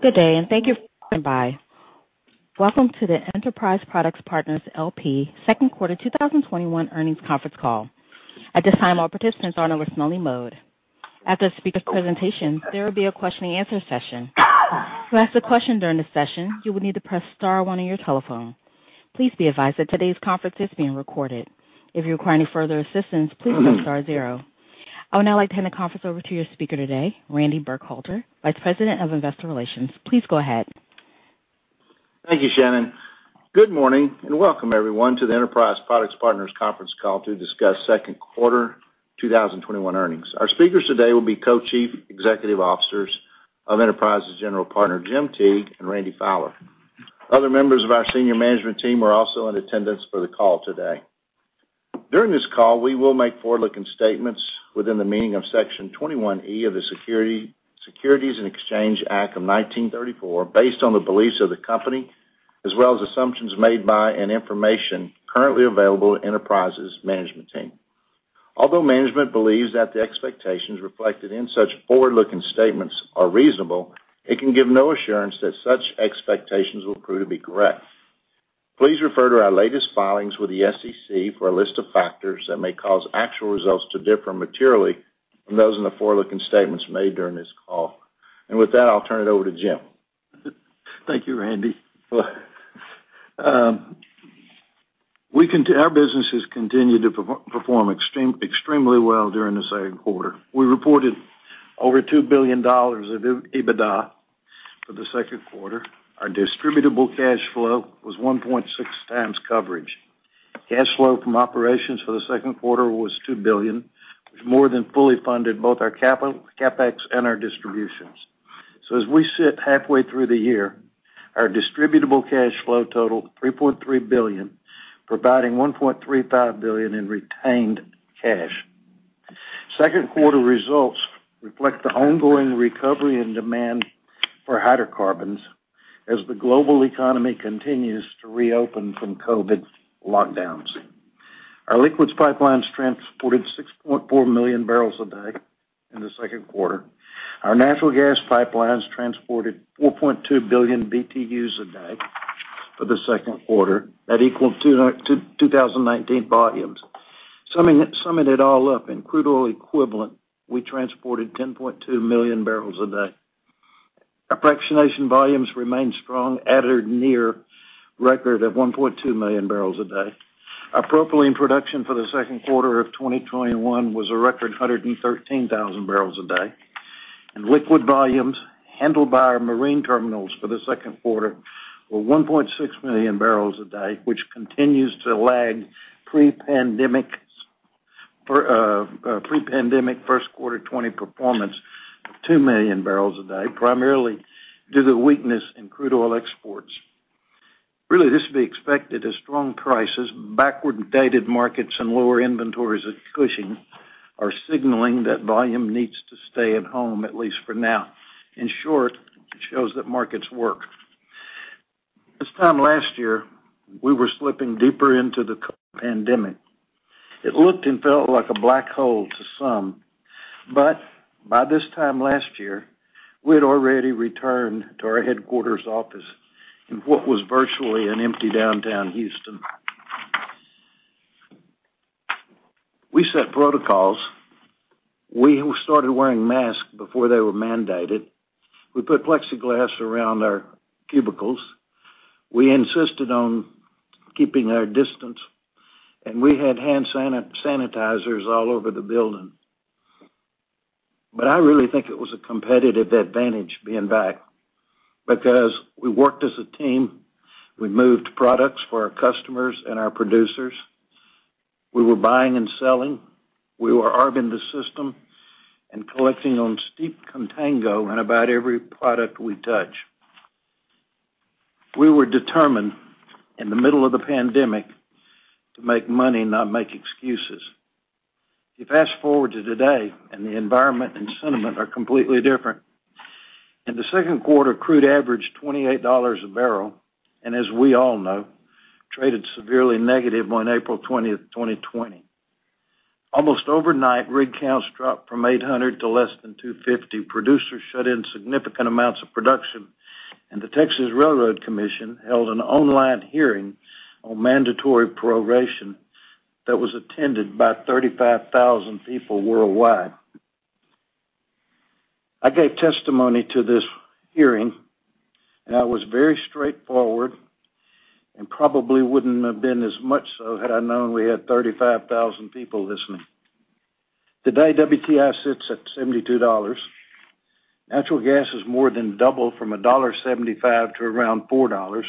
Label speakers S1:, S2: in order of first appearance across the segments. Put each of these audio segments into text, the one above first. S1: Good day, and thank you for standing by. Welcome to the Enterprise Products Partners LP second quarter 2021 earnings conference call. At this time, all participants are in listen-only mode. After the speaker presentation, there will be a question and answer session. To ask a question during this session, you will need to press star one on your telephone. Please be advised that today's conference is being recorded. If you require any further assistance, please press star zero. I would now like to hand the conference over to your speaker today, Randy Burkhalter, Vice President of Investor Relations. Please go ahead.
S2: Thank you, Shannon. Good morning, and welcome everyone to the Enterprise Products Partners conference call to discuss second quarter 2021 earnings. Our speakers today will be Co-Chief Executive Officers of Enterprise's general partner, Jim Teague and Randy Fowler. Other members of our senior management team are also in attendance for the call today. During this call, we will make forward-looking statements within the meaning of Section 21E of the Securities Exchange Act of 1934, based on the beliefs of the company, as well as assumptions made by and information currently available to Enterprise's management team. Although management believes that the expectations reflected in such forward-looking statements are reasonable, it can give no assurance that such expectations will prove to be correct. Please refer to our latest filings with the SEC for a list of factors that may cause actual results to differ materially from those in the forward-looking statements made during this call. With that, I'll turn it over to Jim.
S3: Thank you, Randy. Our businesses continued to perform extremely well during the second quarter. We reported over $2 billion of EBITDA for the second quarter. Our distributable cash flow was 1.6 times coverage. Cash flow from operations for the second quarter was $2 billion, which more than fully funded both our CapEx and our distributions. As we sit halfway through the year, our distributable cash flow totaled $3.3 billion, providing $1.35 billion in retained cash. Second quarter results reflect the ongoing recovery and demand for hydrocarbons as the global economy continues to reopen from COVID lockdowns. Our liquids pipelines transported 6.4 million barrels a day in the second quarter. Our natural gas pipelines transported 4.2 billion BTUs a day for the second quarter. That equaled 2019 volumes. Summing it all up, in crude oil equivalent, we transported 10.2 million barrels a day. Our fractionation volumes remained strong at or near record of 1.2 million barrels a day. Our propylene production for the second quarter of 2021 was a record 113,000 barrels a day. Liquid volumes handled by our marine terminals for the second quarter were 1.6 million barrels a day, which continues to lag pre-pandemic first quarter 2020 performance of 2 million barrels a day, primarily due to weakness in crude oil exports. Really, this would be expected as strong prices, backwardated markets, and lower inventories at Cushing are signaling that volume needs to stay at home, at least for now. In short, it shows that markets work. This time last year, we were slipping deeper into the pandemic. It looked and felt like a black hole to some. By this time last year, we had already returned to our headquarters office in what was virtually an empty downtown Houston. We set protocols. We started wearing masks before they were mandated. We put plexiglass around our cubicles. We insisted on keeping our distance, and we had hand sanitizers all over the building. I really think it was a competitive advantage being back, because we worked as a team. We moved products for our customers and our producers. We were buying and selling. We were arbing the system and collecting on steep contango on about every product we touch. We were determined in the middle of the pandemic to make money, not make excuses. You fast-forward to today, the environment and sentiment are completely different. In the second quarter, crude averaged $28 a barrel, as we all know, traded severely negative on April 20th, 2020. Almost overnight, rig counts dropped from 800 to less than 250. Producers shut in significant amounts of production. The Railroad Commission of Texas held an online hearing on mandatory proration that was attended by 35,000 people worldwide. I gave testimony to this hearing. I was very straightforward and probably wouldn't have been as much so had I known we had 35,000 people listening. Today, WTI sits at $72. Natural gas has more than doubled from $1.75 to around $4.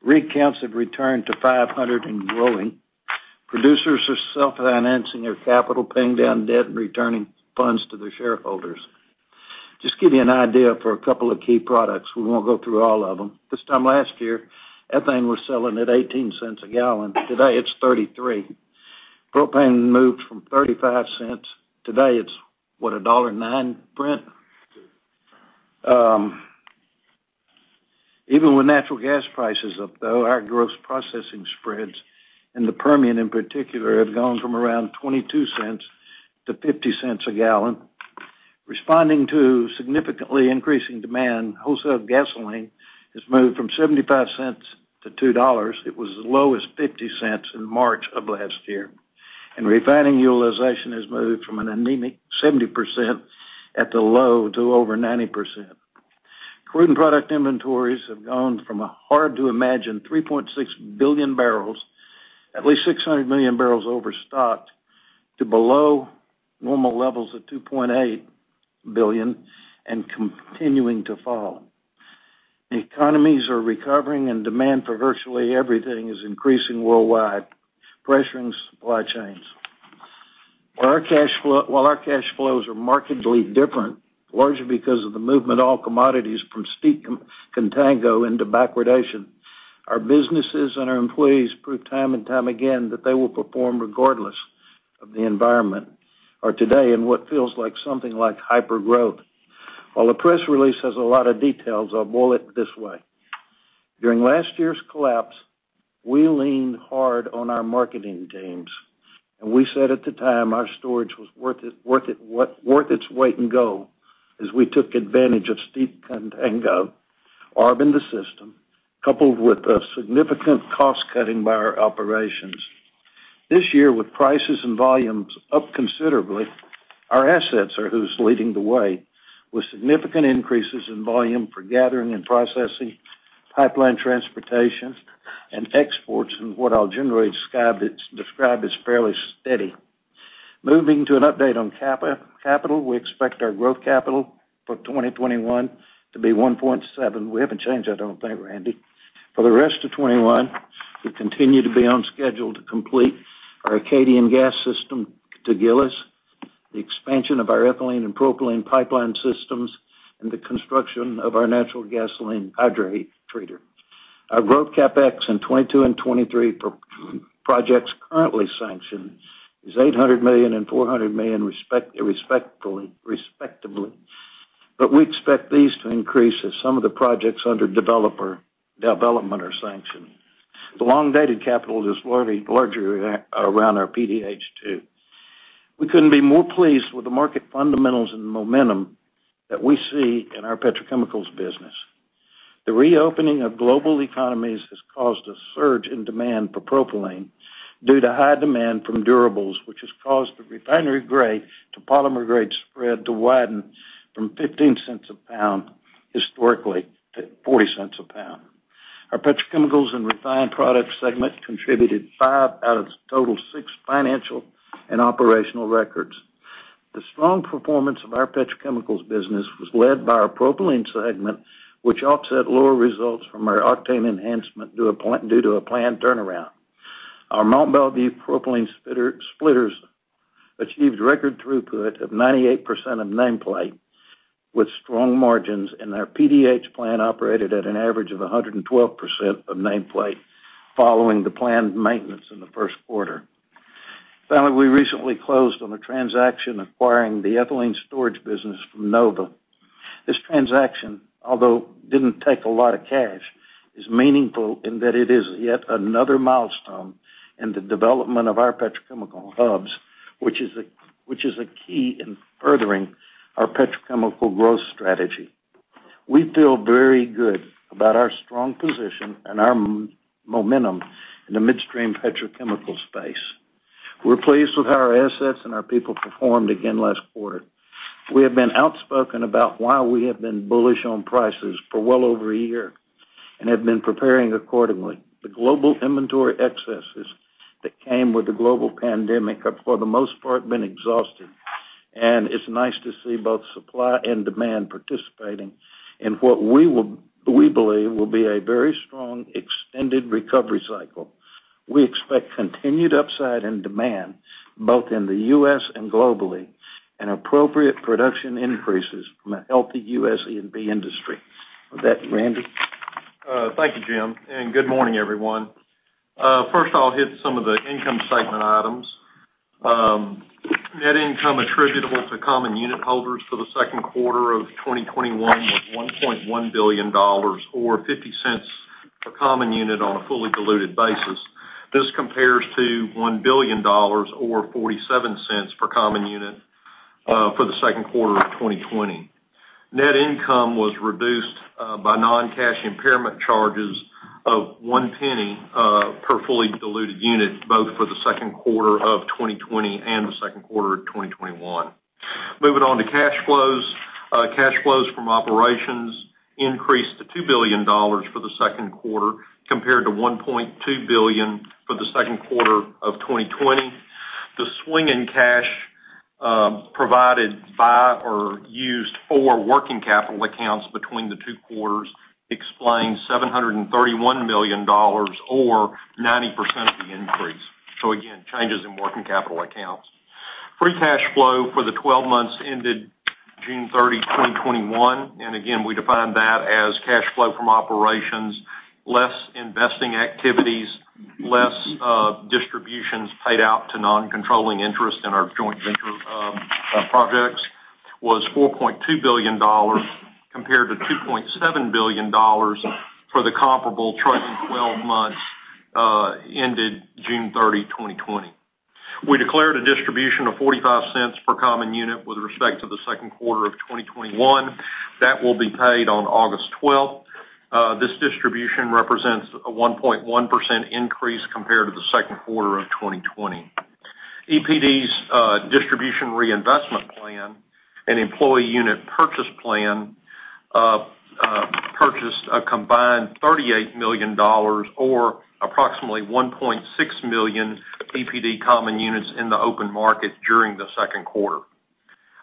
S3: Rig counts have returned to 500 and growing. Producers are self-financing their capital, paying down debt, and returning funds to their shareholders. Just to give you an idea for a couple of key products, we won't go through all of them. This time last year, ethane was selling at $0.18 a gallon. Today, it's $0.33. Propane moved from $0.35. Today, it's, what, $1.09, Brent?
S4: Two.
S3: Even with natural gas prices up though, our gross processing spreads in the Permian in particular, have gone from around $0.22 to $0.50 a gallon. Responding to significantly increasing demand, wholesale gasoline has moved from $0.75 to $2. It was as low as $0.50 in March of last year. Refining utilization has moved from an anemic 70% at the low to over 90%. Crude and product inventories have gone from a hard-to-imagine 3.6 billion barrels, at least 600 million barrels over stocked, to below normal levels of 2.8 billion and continuing to fall. Economies are recovering and demand for virtually everything is increasing worldwide, pressuring supply chains. While our cash flows are markedly different, largely because of the movement of all commodities from steep contango into backwardation, our businesses and our employees prove time and time again that they will perform regardless of the environment or today in what feels like something like hyper-growth. While the press release has a lot of details, I'll roll it this way. During last year's collapse, we leaned hard on our marketing teams, and we said at the time our storage was worth its weight in gold as we took advantage of steep contango, arb in the system, coupled with a significant cost-cutting by our operations. This year, with prices and volumes up considerably, our assets are who's leading the way, with significant increases in volume for gathering and processing, pipeline transportation, and exports in what I'll generally describe as fairly steady. Moving to an update on capital, we expect our growth capital for 2021 to be $1.7 billion. We haven't changed that, I don't think, Randy. For the rest of 2021, we continue to be on schedule to complete our Acadian Gas System to Gillis, the expansion of our ethylene and propylene pipeline systems, and the construction of our natural gasoline hydrotreater. Our growth CapEx in 2022 and 2023 for projects currently sanctioned is $800 million and $400 million respectively. We expect these to increase as some of the projects under development are sanctioned. The long-dated capital is largely around our PDH2. We couldn't be more pleased with the market fundamentals and the momentum that we see in our petrochemicals business. The reopening of global economies has caused a surge in demand for propylene due to high demand from durables, which has caused the refinery grade to polymer grade spread to widen from $0.15 a pound historically to $0.40 a pound. Our petrochemicals and refined products segment contributed five out of the total six financial and operational records. The strong performance of our petrochemicals business was led by our propylene segment, which offset lower results from our octane enhancement due to a planned turnaround. Our Mont Belvieu propylene splitters achieved record throughput of 98% of nameplate with strong margins, and our PDH plant operated at an average of 112% of nameplate following the planned maintenance in the first quarter. Finally, we recently closed on a transaction acquiring the ethylene storage business from NOVA. This transaction, although didn't take a lot of cash, is meaningful in that it is yet another milestone in the development of our petrochemical hubs, which is a key in furthering our petrochemical growth strategy. We feel very good about our strong position and our momentum in the midstream petrochemical space. We're pleased with how our assets and our people performed again last quarter. We have been bullish on prices for well over a year and have been preparing accordingly. The global inventory excesses that came with the global pandemic have, for the most part, been exhausted, and it's nice to see both supply and demand participating in what we believe will be a very strong extended recovery cycle. We expect continued upside in demand both in the U.S. and globally and appropriate production increases from a healthy U.S. E&P industry. With that, Randy?
S5: Thank you, Jim, and good morning, everyone. First, I'll hit some of the income statement items. Net income attributable to common unit holders for the second quarter of 2021 was $1.1 billion or $0.50 a common unit on a fully diluted basis. This compares to $1 billion or $0.47 per common unit for the second quarter of 2020. Net income was reduced by non-cash impairment charges of $0.01 per fully diluted unit, both for the second quarter of 2020 and the second quarter of 2021. Moving on to cash flows. Cash flows from operations increased to $2 billion for the second quarter, compared to $1.2 billion for the second quarter of 2020. The swing in cash provided by or used for working capital accounts between the two quarters explains $731 million or 90% of the increase. Again, changes in working capital accounts. Free cash flow for the 12 months ended June 30, 2021, again, we define that as cash flow from operations, less investing activities, less distributions paid out to non-controlling interest in our joint venture projects was $4.2 billion compared to $2.7 billion for the comparable trailing 12 months ended June 30, 2020. We declared a distribution of $0.45 per common unit with respect to the second quarter of 2021. That will be paid on August 12th. This distribution represents a 1.1% increase compared to the second quarter of 2020. EPD's distribution reinvestment plan and employee unit purchase plan purchased a combined $38 million, or approximately 1.6 million EPD common units in the open market during the second quarter.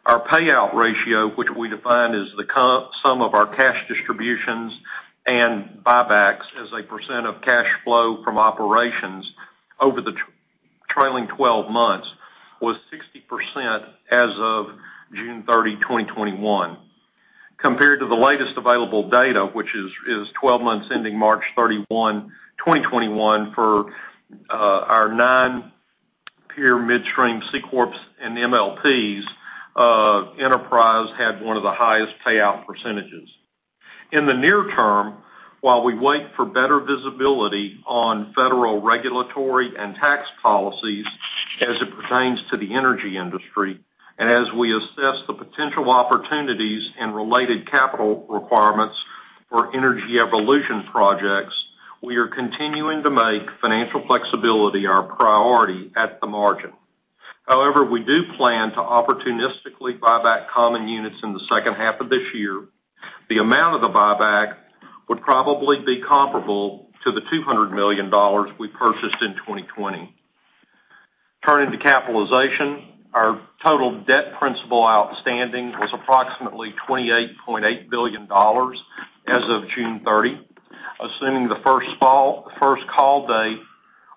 S5: Our payout ratio, which we define as the sum of our cash distributions and buybacks as a percent of cash flow from operations over the trailing 12 months, was 60% as of June 30, 2021. Compared to the latest available data, which is 12 months ending March 31, 2021 for our 9 peer midstream C corps and MLPs, Enterprise had one of the highest payout percentages. In the near term, while we wait for better visibility on federal regulatory and tax policies as it pertains to the energy industry, and as we assess the potential opportunities and related capital requirements for energy evolution projects, we are continuing to make financial flexibility our priority at the margin. We do plan to opportunistically buy back common units in the second half of this year. The amount of the buyback would probably be comparable to the $200 million we purchased in 2020. Turning to capitalization, our total debt principal outstanding was approximately $28.8 billion as of June 30. Assuming the first call date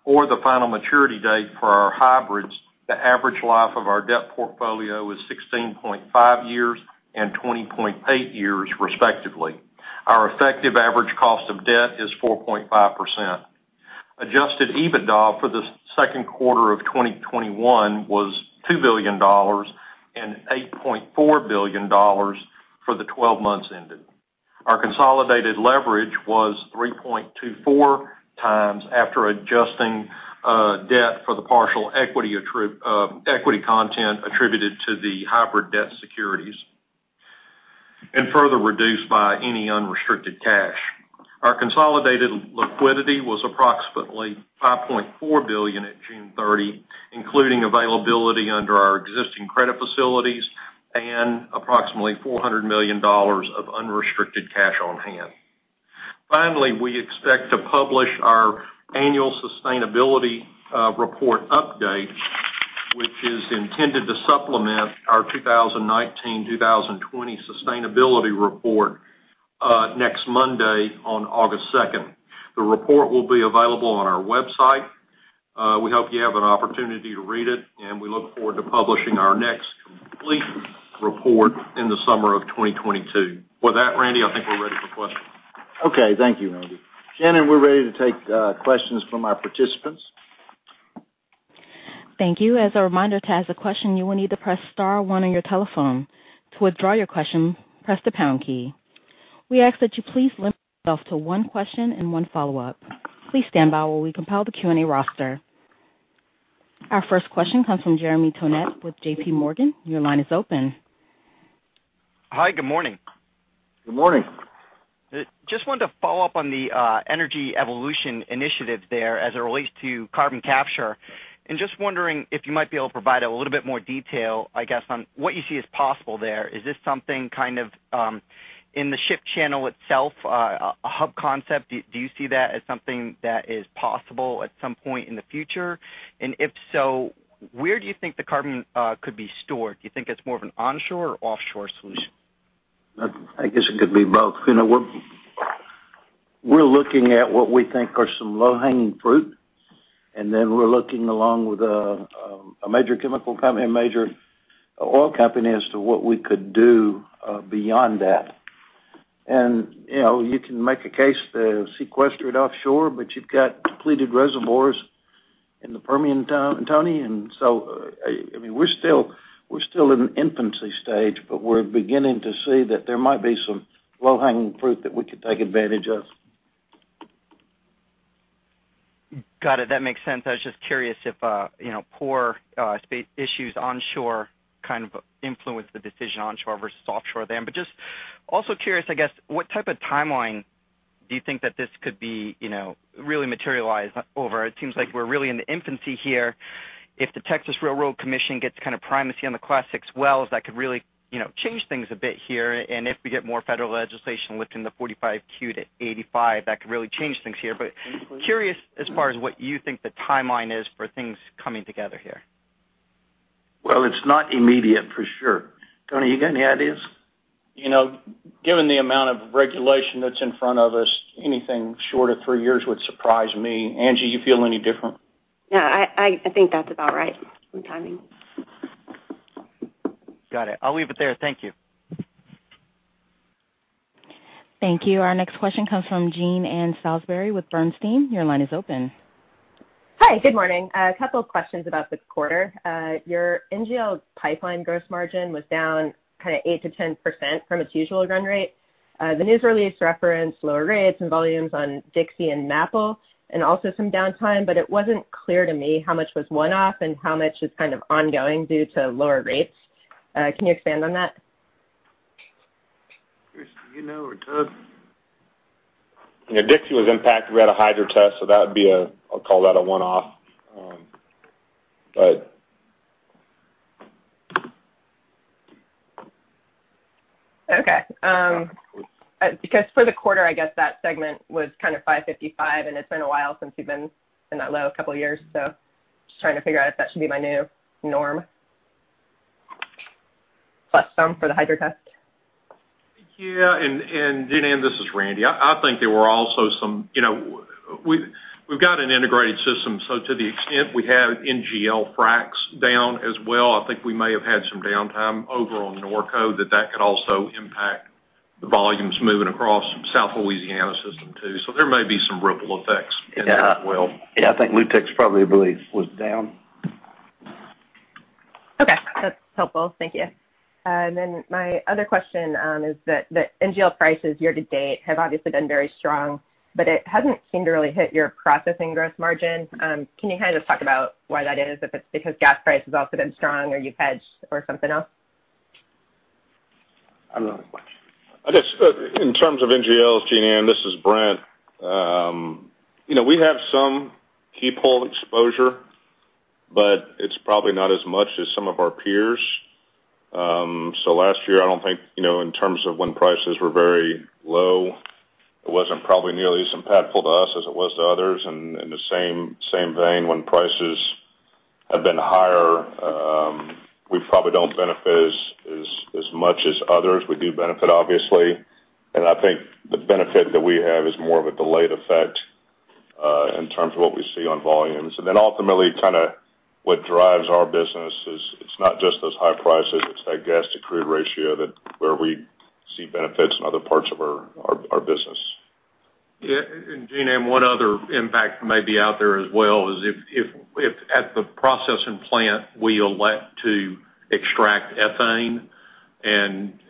S5: or the final maturity date for our hybrids, the average life of our debt portfolio was 16.5 years and 20.8 years respectively. Our effective average cost of debt is 4.5%. Adjusted EBITDA for the second quarter of 2021 was $2 billion and $8.4 billion for the 12 months ended. Our consolidated leverage was 3.24x after adjusting debt for the partial equity content attributed to the hybrid debt securities, and further reduced by any unrestricted cash. Our consolidated liquidity was approximately $5.4 billion at June 30, including availability under our existing credit facilities and approximately $400 million of unrestricted cash on hand. Finally, we expect to publish our annual sustainability report update, which is intended to supplement our 2019-2020 sustainability report, next Monday on August 2nd. The report will be available on our website. We hope you have an opportunity to read it, and we look forward to publishing our next complete report in the summer of 2022. With that, Randy, I think we're ready for questions.
S2: Okay, thank you, Randy. Shannon, we're ready to take questions from our participants.
S1: Thank you. As a reminder, to ask a question, you will need to press star one on your telephone. To withdraw your question, press the pound key. We ask that you please limit yourself to one question and one follow-up. Please stand by while we compile the Q&A roster. Our first question comes from Jeremy Tonet with J.P. Morgan. Your line is open.
S6: Hi, good morning.
S3: Good morning.
S6: Just wanted to follow up on the Energy Evolution Initiative there as it relates to carbon capture, and just wondering if you might be able to provide a little bit more detail, I guess, on what you see as possible there. Is this something kind of in the ship channel itself, a hub concept? Do you see that as something that is possible at some point in the future? If so, where do you think the carbon could be stored? Do you think it's more of an onshore or offshore solution?
S3: I guess it could be both. We're looking at what we think are some low-hanging fruit, then we're looking along with a major oil company as to what we could do beyond that. You can make a case to sequester it offshore, but you've got depleted reservoirs in the Permian, Tony. We're still in the infancy stage, but we're beginning to see that there might be some low-hanging fruit that we could take advantage of.
S6: Got it. That makes sense. I was just curious if poor issues onshore kind of influence the decision onshore versus offshore then. Just also curious, I guess, what type of timeline do you think that this could be really materialized over? It seems like we're really in the infancy here. If the Railroad Commission of Texas gets kind of primacy on the Class VI wells, that could really change things a bit here. If we get more federal legislation lifting the Section 45Q to 85, that could really change things here. Curious as far as what you think the timeline is for things coming together here.
S3: Well, it's not immediate for sure. Tony, you got any ideas?
S7: Given the amount of regulation that's in front of us, anything short of three years would surprise me. Angie, you feel any different?
S8: No, I think that's about right on timing.
S6: Got it. I'll leave it there. Thank you.
S1: Thank you. Our next question comes from Jean Ann Salisbury with Bernstein. Your line is open.
S9: Hi, good morning. A couple of questions about the quarter. Your NGL pipeline gross margin was down kind of 8%-10% from its usual run rate. The news release referenced lower rates and volumes on Dixie and MAPL and also some downtime, but it wasn't clear to me how much was one-off and how much is kind of ongoing due to lower rates. Can you expand on that?
S5: Chris, do you know, or Doug?
S8: Yeah. Dixie was impacted. We had a hydrotest, so I'll call that a one-off.
S9: Okay. Because for the quarter, I guess that segment was kind of $555, and it's been a while since you've been in that low, a couple of years. Just trying to figure out if that should be my new norm. Plus some for the hydro test.
S5: Yeah. Jean Ann, this is Randy. I think there were also, we've got an integrated system, so to the extent we have NGL fracs down as well, I think we may have had some downtime over on Norco that could also impact the volumes moving across South Louisiana system too. There may be some ripple effects in that as well.
S8: Yeah. I think Lou-Tex probably, I believe, was down.
S9: Okay. That's helpful. Thank you. My other question is that the NGL prices year to date have obviously been very strong, but it hasn't seemed to really hit your processing gross margin. Can you kind of just talk about why that is? If it's because gas price has also been strong or you've hedged or something else?
S5: I don't know.
S4: I guess, in terms of NGLs, Jean Ann, this is Brent. We have some keep-whole exposure, but it's probably not as much as some of our peers. Last year, I don't think, in terms of when prices were very low, it wasn't probably nearly as impactful to us as it was to others. In the same vein, when prices have been higher, we probably don't benefit as much as others. We do benefit, obviously. I think the benefit that we have is more of a delayed effect, in terms of what we see on volumes. Ultimately, kind of what drives our business is, it's not just those high prices, it's that gas to crude ratio that where we see benefits in other parts of our business.
S5: Yeah. Jean Ann, one other impact may be out there as well is if at the processing plant, we elect to extract ethane, and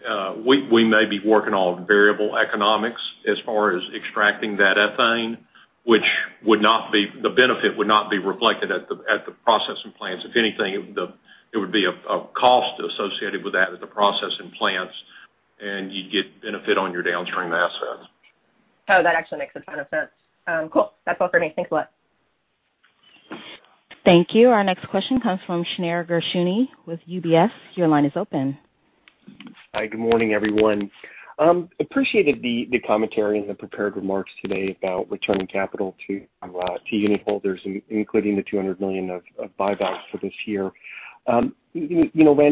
S5: we may be working on variable economics as far as extracting that ethane, the benefit would not be reflected at the processing plants. If anything, it would be a cost associated with that at the processing plants, and you'd get benefit on your downstream assets.
S9: Oh, that actually makes a ton of sense. Cool. That's all for me. Thanks a lot.
S1: Thank you. Our next question comes from Shneur Gershuni with UBS. Your line is open.
S10: Hi, good morning, everyone. Appreciated the commentary and the prepared remarks today about returning capital to unit holders, including the $200 million of buybacks for this year. Randy,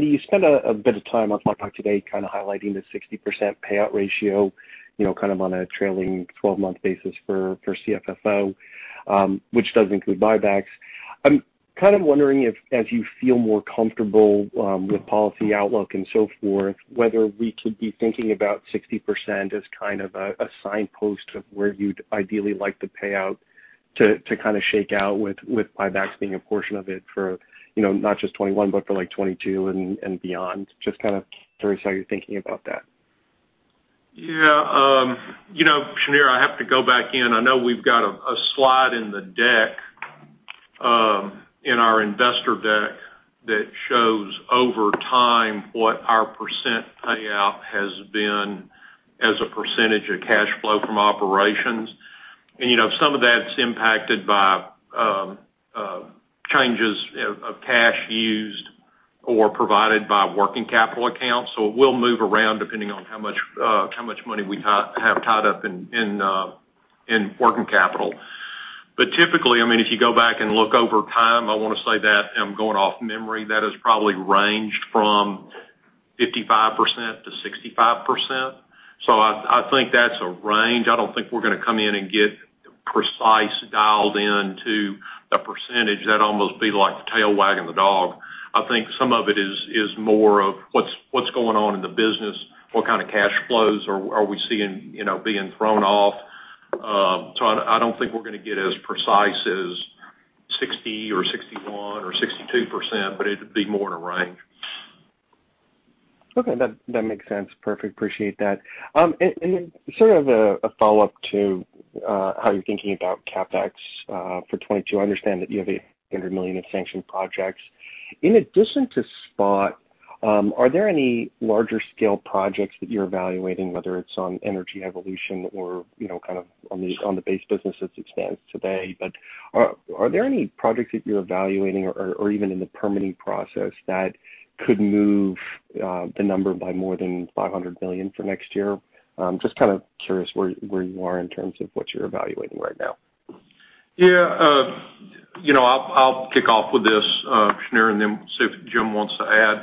S10: you spent a bit of time on my talk today kind of highlighting the 60% payout ratio, kind of on a trailing 12-month basis for CFFO, which does include buybacks. I'm kind of wondering if, as you feel more comfortable with policy outlook and so forth, whether we could be thinking about 60% as kind of a signpost of where you'd ideally like the payout to kind of shake out with buybacks being a portion of it for not just 2021, but for 2022 and beyond. Just kind of curious how you're thinking about that.
S5: Yeah. Shneur, I have to go back in. I know we've got a slide in the deck, in our investor deck that shows over time what our percent payout has been as a percentage of cash flow from operations. Some of that's impacted by changes of cash used or provided by working capital accounts. It will move around depending on how much money we have tied up in working capital. Typically, if you go back and look over time, I want to say that, I'm going off memory, that has probably ranged from 55%-65%. I think that's a range. I don't think we're going to come in and get precise, dialed in to a percentage. That'd almost be like the tail wagging the dog. I think some of it is more of what's going on in the business, what kind of cash flows are we seeing being thrown off? I don't think we're going to get as precise as 60% or 61% or 62%, but it'd be more in a range.
S10: Okay. That makes sense. Perfect. Appreciate that. Sort of a follow-up to how you're thinking about CapEx for 2022. I understand that you have $800 million of sanctioned projects. In addition to SPOT, are there any larger scale projects that you're evaluating, whether it's on energy evolution or kind of on the base business as it stands today. Are there any projects that you're evaluating or even in the permitting process that could move the number by more than $500 million for next year? Just kind of curious where you are in terms of what you're evaluating right now.
S5: Yeah. I'll kick off with this, Shneur, and then see if Jim wants to add.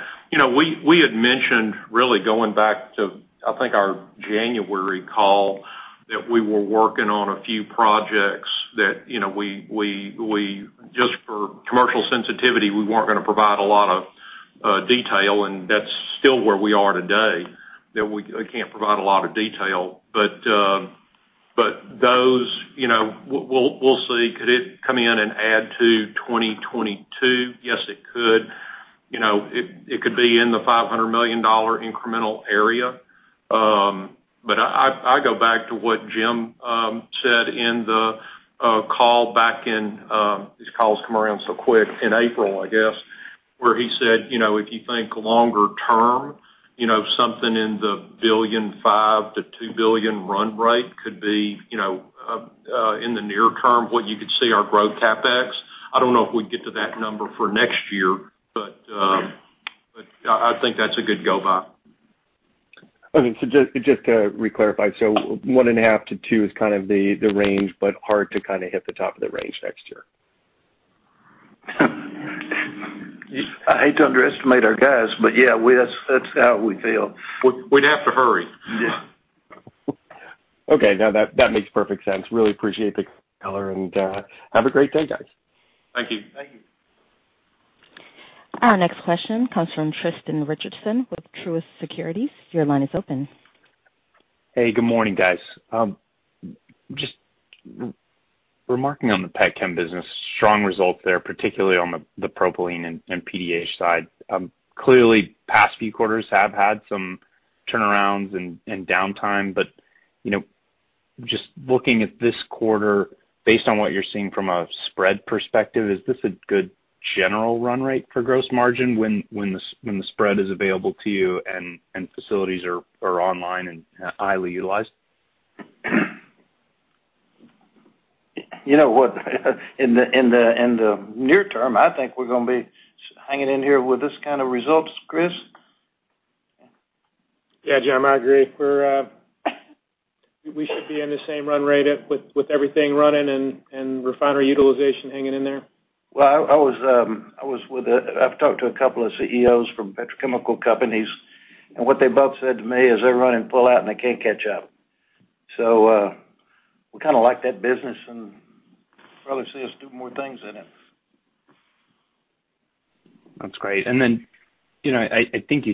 S5: We had mentioned really going back to, I think our January call that we just for commercial sensitivity, we weren't going to provide a lot of detail, and that's still where we are today, that we can't provide a lot of detail. Those, we'll see. Could it come in and add to 2022? Yes, it could. It could be in the $500 million incremental area. I go back to what Jim said in the call back in these calls come around so quick, in April, I guess, where he said, if you think longer term, something in the $1.5 billion-$2 billion run rate could be in the near term what you could see our growth CapEx. I don't know if we'd get to that number for next year, but I think that's a good go by.
S10: Okay. just to re-clarify, so one and a half to two is kind of the range, but hard to hit the top of the range next year.
S3: I hate to underestimate our guys, but yeah, that's how we feel.
S5: We'd have to hurry.
S3: Yeah.
S10: Okay. No, that makes perfect sense. Really appreciate the color, and have a great day, guys.
S5: Thank you.
S3: Thank you.
S1: Our next question comes from Tristan Richardson with Truist Securities. Your line is open.
S11: Hey, good morning, guys. Just remarking on the pet chem business, strong results there, particularly on the propylene and PDH side. Clearly, past few quarters have had some turnarounds and downtime, but just looking at this quarter, based on what you're seeing from a spread perspective, is this a good general run rate for gross margin when the spread is available to you and facilities are online and highly utilized?
S3: You know what? In the near term, I think we're going to be hanging in here with this kind of results. Chris?
S8: Yeah, Jim, I agree. We should be in the same run rate with everything running and refinery utilization hanging in there.
S3: I've talked to a couple of CEOs from petrochemical companies, and what they both said to me is they're running full out and they can't catch up. We kind of like that business and probably see us doing more things in it.
S11: That's great. I think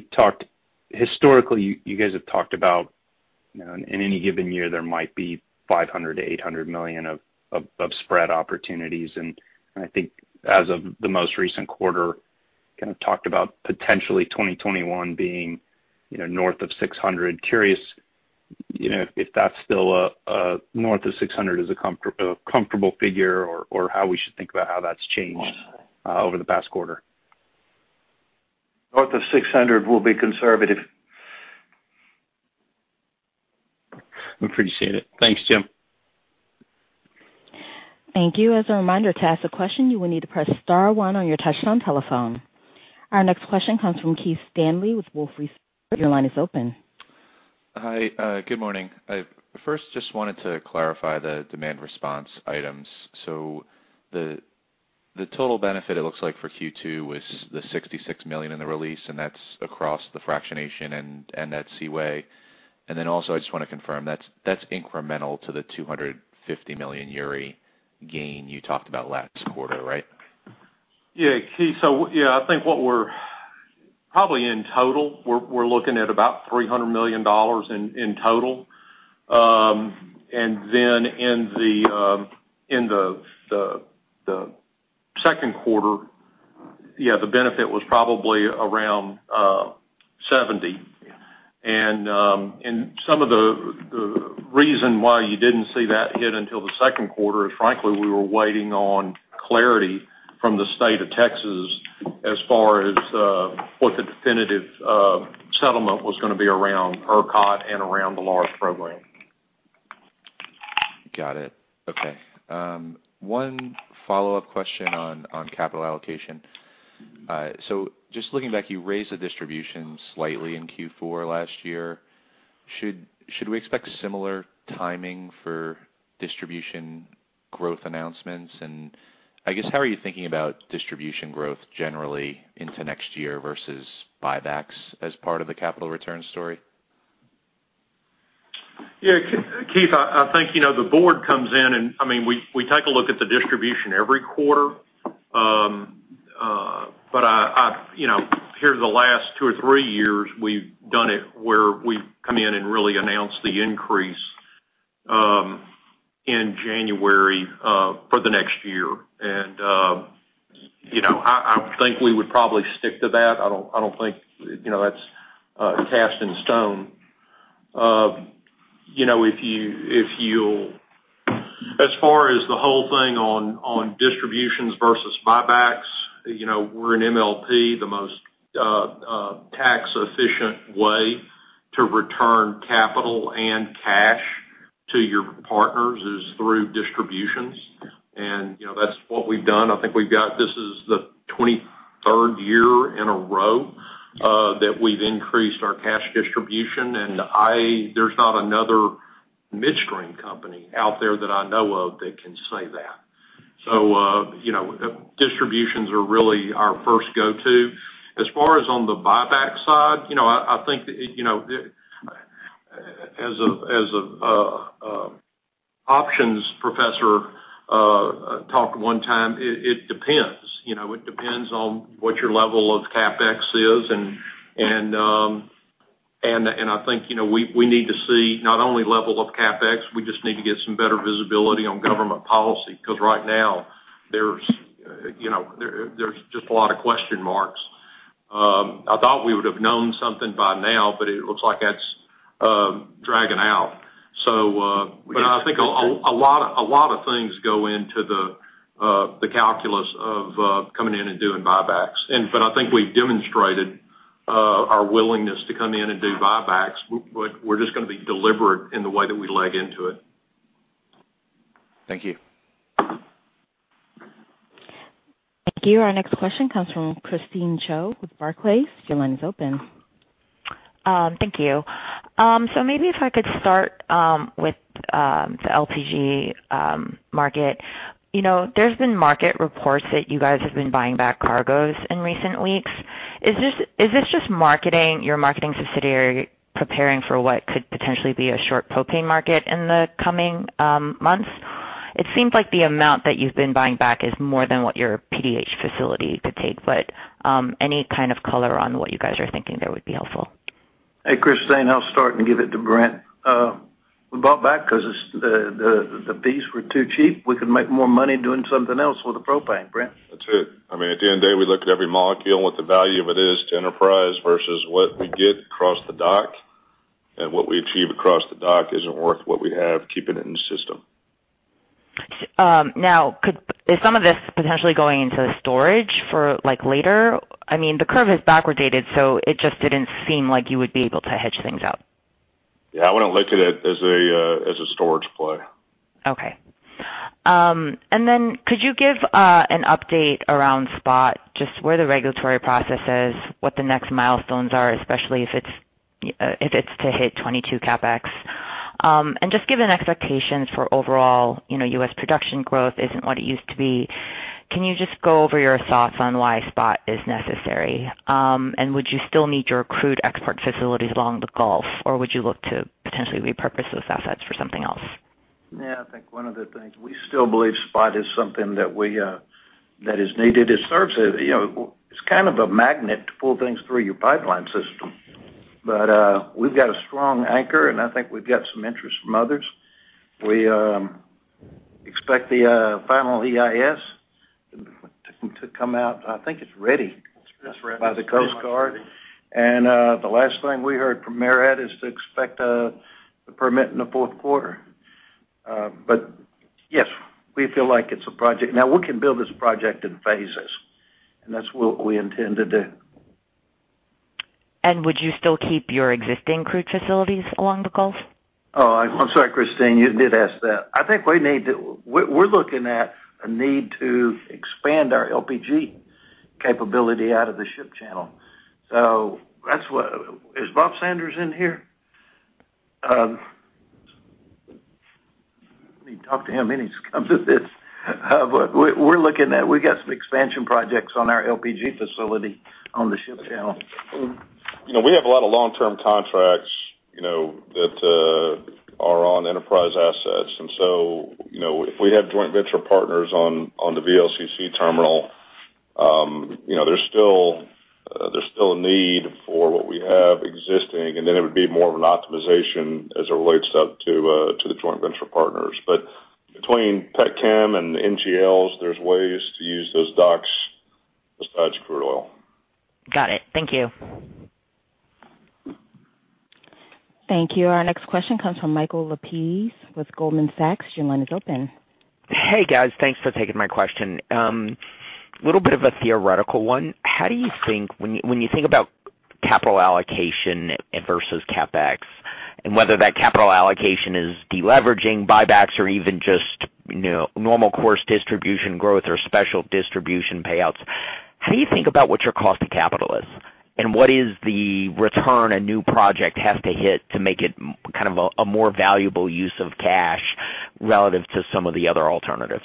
S11: historically, you guys have talked about, in any given year, there might be $500 million-$800 million of spread opportunities. I think as of the most recent quarter, kind of talked about potentially 2021 being north of $600 million. Curious if that's still north of $600 million is a comfortable figure or how we should think about how that's changed over the past quarter.
S3: North of 600 will be conservative.
S11: Appreciate it. Thanks, Jim.
S1: Thank you. As a reminder, to ask a question, you will need to press star one on your touchtone telephone. Our next question comes from Keith Stanley with Wolfe Research. Your line is open.
S12: Hi. Good morning. I first just wanted to clarify the demand response items. The total benefit it looks like for Q2 was the $66 million in the release, and that's across the fractionation and at Seaway. Also, I just want to confirm, that's incremental to the $250 million Uri gain you talked about last quarter, right?
S5: Yeah, Keith. Yeah, I think probably in total, we're looking at about $300 million in total. In the second quarter, yeah, the benefit was probably around $70 million. Some of the reason why you didn't see that hit until the second quarter is, frankly, we were waiting on clarity from the State of Texas as far as what the definitive settlement was going to be around ERCOT and around the LaaR program.
S12: Got it. Okay. One follow-up question on capital allocation. Just looking back, you raised the distribution slightly in Q4 last year. Should we expect similar timing for distribution growth announcements? I guess, how are you thinking about distribution growth generally into next year versus buybacks as part of the capital return story?
S5: Yeah. Keith, I think the board comes in, we take a look at the distribution every quarter. Here in the last 2 or 3 years, we've done it where we come in and really announce the increase in January for the next year. I think we would probably stick to that. I don't think that's cast in stone. As far as the whole thing on distributions versus buybacks, we're an MLP. The most tax-efficient way to return capital and cash to your partners is through distributions. That's what we've done. I think this is the 23rd year in a row that we've increased our cash distribution, and there's not another midstream company out there that I know of that can say that. Distributions are really our first go-to. As far as on the buyback side, I think that as an options professor talked one time, it depends. It depends on what your level of CapEx is, and I think we need to see not only level of CapEx, we just need to get some better visibility on government policy, because right now there's just a lot of question marks. I thought we would've known something by now, but it looks like that's dragging out. I think a lot of things go into the calculus of coming in and doing buybacks. I think we've demonstrated our willingness to come in and do buybacks. We're just going to be deliberate in the way that we leg into it.
S12: Thank you.
S1: Thank you. Our next question comes from Christine Cho with Barclays. Your line is open.
S13: Thank you. Maybe if I could start with the LPG market. There's been market reports that you guys have been buying back cargoes in recent weeks. Is this just your marketing subsidiary preparing for what could potentially be a short propane market in the coming months? It seems like the amount that you've been buying back is more than what your PDH facility could take, any kind of color on what you guys are thinking there would be helpful.
S5: Hey, Christine, I'll start and give it to Brent. We bought back because the fees were too cheap. We could make more money doing something else with the propane. Brent?
S4: That's it. At the end of the day, we look at every molecule and what the value of it is to Enterprise versus what we get across the dock, and what we achieve across the dock isn't worth what we have keeping it in the system.
S13: Now, is some of this potentially going into storage for later? The curve is backwardated, it just didn't seem like you would be able to hedge things out.
S4: Yeah, I wouldn't look to that as a storage play.
S13: Okay. Could you give an update around SPOT, just where the regulatory process is, what the next milestones are, especially if it's to hit 2022 CapEx? Just given expectations for U.S. production growth isn't what it used to be. Can you just go over your thoughts on why SPOT is necessary? Would you still need your crude export facilities along the Gulf, or would you look to potentially repurpose those assets for something else?
S5: Yeah, I think one of the things, we still believe SPOT is something that is needed. It's kind of a magnet to pull things through your pipeline system. We've got a strong anchor, and I think we've got some interest from others. We expect the final EIS to come out. I think it's ready.
S8: It's ready.
S5: By the Coast Guard. The last thing we heard from MARAD is to expect the permit in the fourth quarter. Yes, we feel like it's a project. Now, we can build this project in phases, and that's what we intend to do.
S13: Would you still keep your existing crude facilities along the Gulf?
S5: Oh, I'm sorry, Christine, you did ask that. I think we're looking at a need to expand our LPG capability out of the ship channel. Is Bob Sanders in here? Let me talk to him, and he comes with this. We've got some expansion projects on our LPG facility on the ship channel.
S4: We have a lot of long-term contracts that are on Enterprise assets. If we have joint venture partners on the VLCC terminal, there's still a need for what we have existing, and then it would be more of an optimization as it relates out to the joint venture partners. Between pet chem and NGLs, there's ways to use those docks besides crude oil.
S13: Got it. Thank you.
S1: Thank you. Our next question comes from Michael Lapides with Goldman Sachs. Your line is open.
S14: Hey, guys. Thanks for taking my question. Little bit of a theoretical one. When you think about capital allocation versus CapEx, and whether that capital allocation is de-leveraging, buybacks, or even just normal course distribution growth or special distribution payouts, how do you think about what your cost of capital is? What is the return a new project has to hit to make it a more valuable use of cash relative to some of the other alternatives?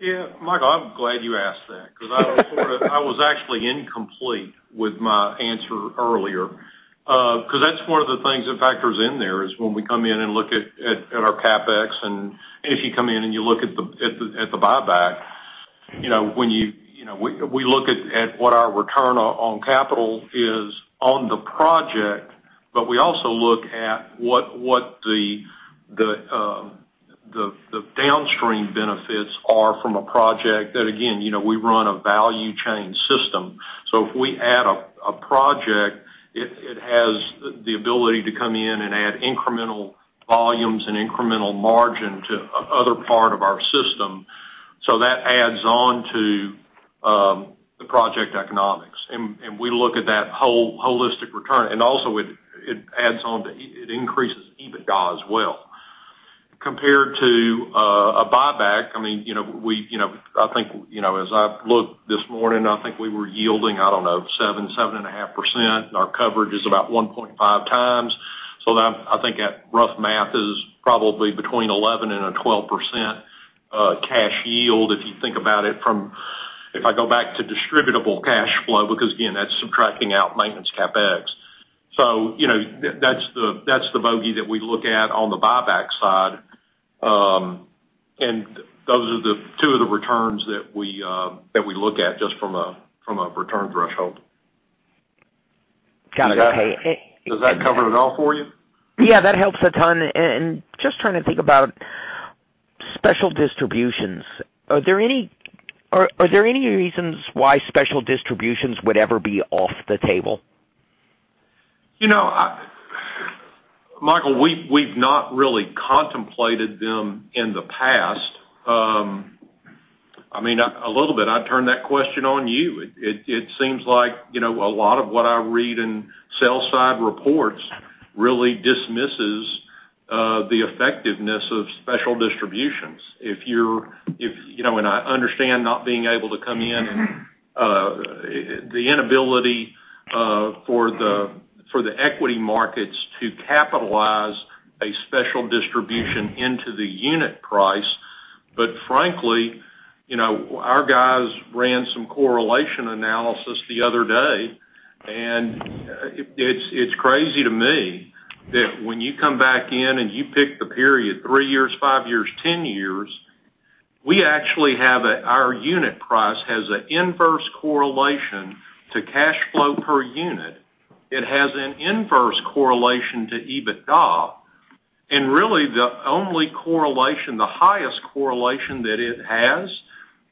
S5: Yeah, Michael, I'm glad you asked that because I was actually incomplete with my answer earlier. That's one of the things that factors in there, is when we come in and look at our CapEx, and if you come in and you look at the buyback. We look at what our return on capital is on the project, but we also look at what the downstream benefits are from a project that, again, we run a value chain system. If we add a project, it has the ability to come in and add incremental volumes and incremental margin to other part of our system. That adds on to the project economics, and we look at that holistic return. Also, it increases EBITDA as well. Compared to a buyback, as I looked this morning, I think we were yielding, I don't know, 7.5%, and our coverage is about 1.5x. That, I think, at rough math, is probably between 11% and a 12% cash yield, if you think about it from distributable cash flow, because again, that's subtracting out maintenance CapEx. That's the bogey that we look at on the buyback side. Those are the two of the returns that we look at just from a return threshold.
S14: Got it. Okay.
S5: Does that cover it all for you?
S14: Yeah, that helps a ton. Just trying to think about special distributions, are there any reasons why special distributions would ever be off the table?
S5: Michael, we've not really contemplated them in the past. I mean, a little bit, I'd turn that question on you. It seems like, a lot of what I read in sell-side reports really dismisses the effectiveness of special distributions. I understand not being able to come in and the inability for the equity markets to capitalize a special distribution into the unit price. Frankly, our guys ran some correlation analysis the other day, and it's crazy to me that when you come back in and you pick the period, 3 years, 5 years, 10 years, our unit price has an inverse correlation to cash flow per unit. It has an inverse correlation to EBITDA. Really, the only correlation, the highest correlation that it has,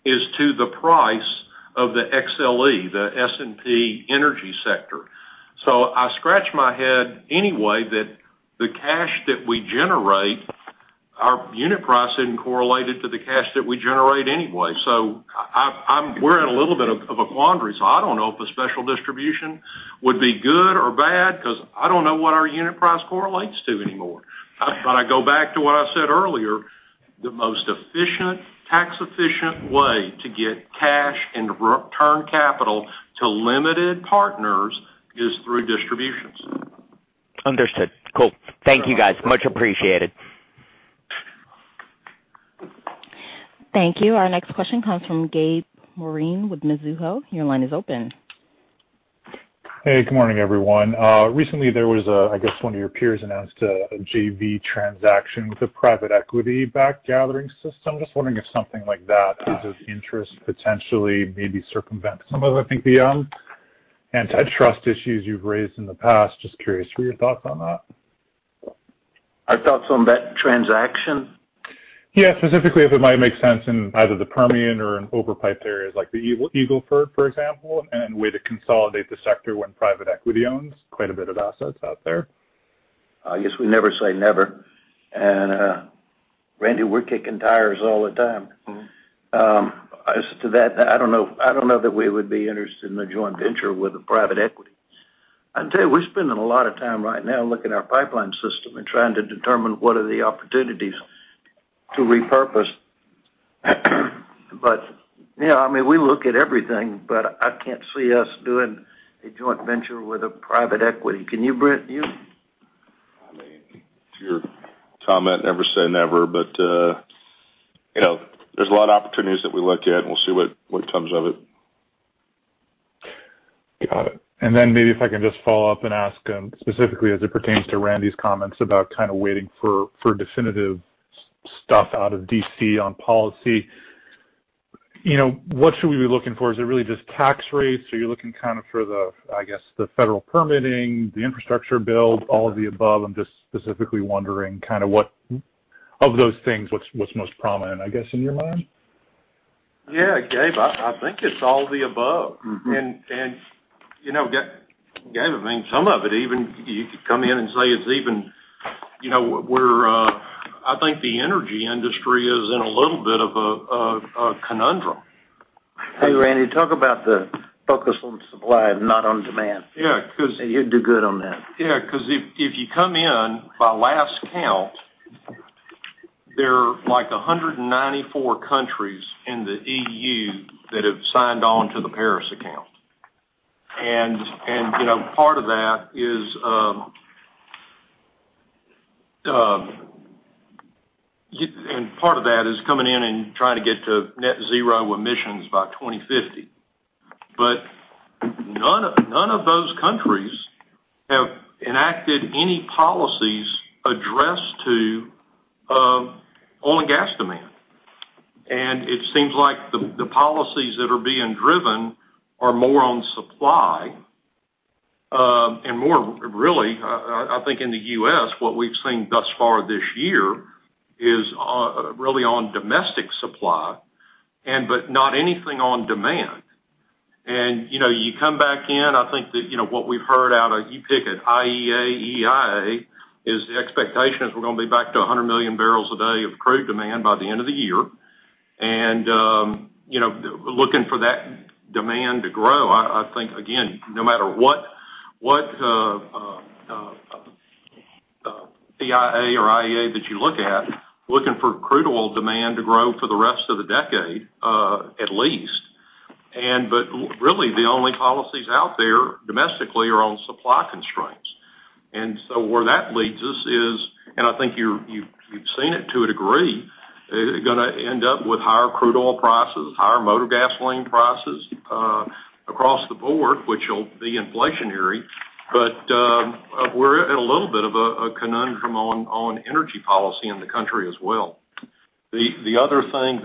S5: is to the price of the XLE, the S&P energy sector. I scratch my head anyway that the cash that we generate, our unit price isn't correlated to the cash that we generate anyway. We're in a little bit of a quandary. I don't know if a special distribution would be good or bad, because I don't know what our unit price correlates to anymore. I go back to what I said earlier, the most tax-efficient way to get cash and return capital to limited partners is through distributions.
S14: Understood. Cool. Thank you guys. Much appreciated.
S1: Thank you. Our next question comes from Gabe Moreen with Mizuho. Your line is open.
S15: Hey, good morning, everyone. Recently, there was I guess, one of your peers announced a JV transaction with a private equity-backed gathering system. I'm just wondering if something like that is of interest, potentially, maybe circumvent some of, I think, the antitrust issues you've raised in the past. Just curious for your thoughts on that.
S3: Our thoughts on that transaction?
S15: Yeah, specifically if it might make sense in either the Permian or in overpiped areas like the Eagle Ford, for example, and a way to consolidate the sector when private equity owns quite a bit of assets out there.
S3: I guess we never say never. Randy, we're kicking tires all the time. As to that, I don't know that we would be interested in a joint venture with a private equity. I tell you, we're spending a lot of time right now looking at our pipeline system and trying to determine what are the opportunities to repurpose. yeah, I mean, we look at everything, but I can't see us doing a joint venture with a private equity. Can you, Brent?
S4: I mean, to your comment, never say never, but there's a lot of opportunities that we look at, and we'll see what comes of it.
S15: Got it. Maybe if I can just follow up and ask specifically as it pertains to Randy's comments about kind of waiting for definitive stuff out of D.C. on policy. What should we be looking for? Is it really just tax rates? Are you looking kind of for the, I guess, the federal permitting, the infrastructure build, all of the above? I'm just specifically wondering kind of what of those things, what's most prominent, I guess, in your mind?
S5: Yeah. Gabe, I think it's all the above. Gabe, I mean, some of it even you could come in and say I think the energy industry is in a little bit of a conundrum.
S3: Hey, Randy, talk about the focus on supply and not on demand.
S5: Yeah.
S3: You'd do good on that.
S5: Yeah, because if you come in, by last count, there are, like, 194 countries in the EU that have signed on to the Paris Agreement. Part of that is coming in and trying to get to net zero emissions by 2050. None of those countries have enacted any policies addressed to oil and gas demand. It seems like the policies that are being driven are more on supply, and more really, I think in the U.S., what we've seen thus far this year is really on domestic supply, but not anything on demand. You come back in, I think that what we've heard out of, you pick it, IEA, EIA, is the expectation is we're going to be back to 100 million barrels a day of crude demand by the end of the year. Looking for that demand to grow. I think, again, no matter what EIA or IEA that you look at, looking for crude oil demand to grow for the rest of the decade, at least. Really, the only policies out there domestically are on supply constraints. Where that leads us is, and I think you've seen it to a degree, going to end up with higher crude oil prices, higher motor gasoline prices across the board, which will be inflationary. We're in a little bit of a conundrum on energy policy in the country as well. The other thing,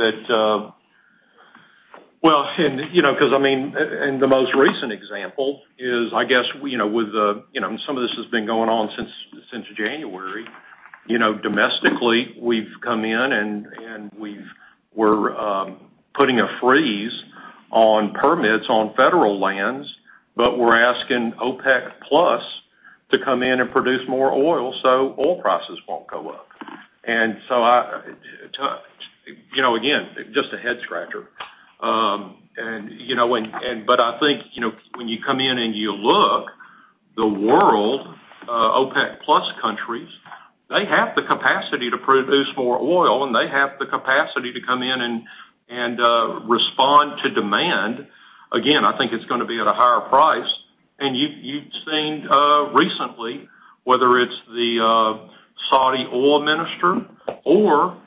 S5: the most recent example is, I guess, and some of this has been going on since January. Domestically, we've come in, and we're putting a freeze on permits on federal lands, but we're asking OPEC+ to come in and produce more oil so oil prices won't go up. Again, just a head scratcher. I think, when you come in and you look, the world, OPEC+ countries, they have the capacity to produce more oil, and they have the capacity to come in and respond to demand. Again, I think it's going to be at a higher price. You've seen recently, whether it's the Saudi oil minister or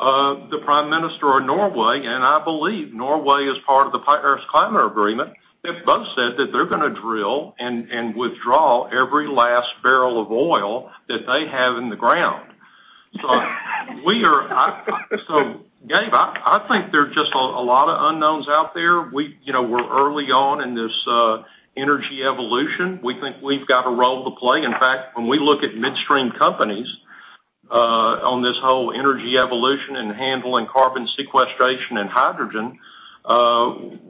S5: the prime minister of Norway, and I believe Norway is part of the Paris Agreement, they've both said that they're going to drill and withdraw every last barrel of oil that they have in the ground. Gabe, I think there are just a lot of unknowns out there. We're early on in this energy evolution. We think we've got a role to play. In fact, when we look at midstream companies on this whole energy evolution and handling carbon sequestration and hydrogen,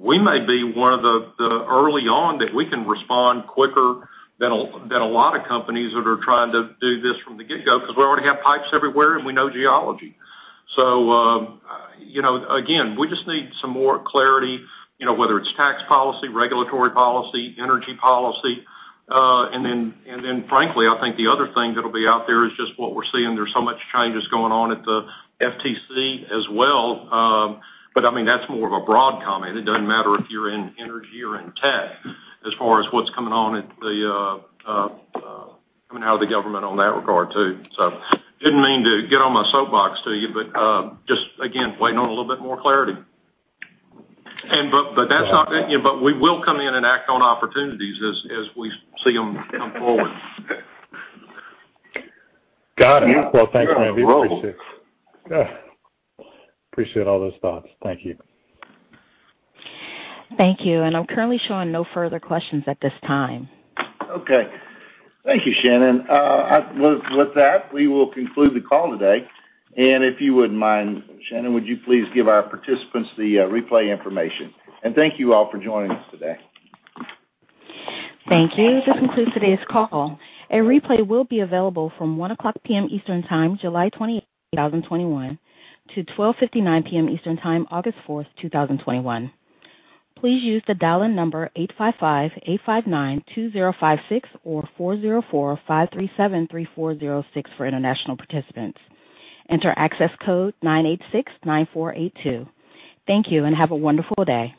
S5: we may be one of the early on that we can respond quicker than a lot of companies that are trying to do this from the get-go because we already have pipes everywhere, and we know geology. Again, we just need some more clarity, whether it's tax policy, regulatory policy, energy policy. Then frankly, I think the other thing that'll be out there is just what we're seeing. There's so much changes going on at the FTC as well. That's more of a broad comment. It doesn't matter if you're in energy or in tech as far as what's coming out of the government on that regard, too. Didn't mean to get on my soapbox to you, but just again, waiting on a little bit more clarity. We will come in and act on opportunities as we see them come forward.
S15: Got it. Well, thanks, Randy. Appreciate all those thoughts. Thank you.
S1: Thank you. I'm currently showing no further questions at this time.
S5: Okay. Thank you, Shannon. With that, we will conclude the call today. If you wouldn't mind, Shannon, would you please give our participants the replay information? Thank you all for joining us today.
S1: Thank you. This concludes today's call. A replay will be available from 01:00 P.M. Eastern Time, July 20, 2021 to 12:59 P.M. Eastern Time, August 4th, 2021. Please use the dial-in number 855-859-2056 or 404-537-3406 for international participants. Enter access code 9869482. Thank you, and have a wonderful day.